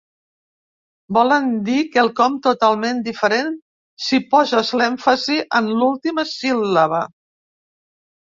Volen dir quelcom totalment diferent si poses l'èmfasi en l'última síl·laba.